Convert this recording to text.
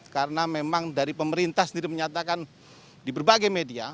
karena memang dari pemerintah sendiri menyatakan di berbagai media